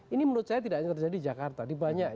ini menurut saya tidak hanya terjadi di jakarta